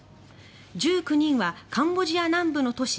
１９人はカンボジア南部の都市